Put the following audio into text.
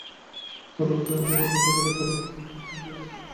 গত বছরের মতোই এবারেও গুগলের পরবর্তী পিক্সেল ফোন তৈরি করছে এইচটিসি।